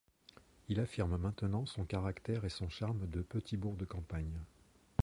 Il affirme maintenant son caractère et son charme de petit bourg de campagne.